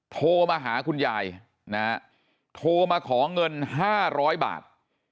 โทรมาหาคุณยายนะฮะโทรมาขอเงิน๕๐๐บาท